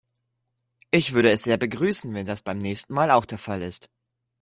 Ich würde es sehr begrüßen, wenn das beim nächsten Mal auch der Fall ist.